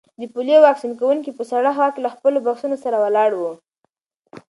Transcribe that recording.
د پولیو واکسین کونکي په سړه هوا کې له خپلو بکسونو سره ولاړ وو.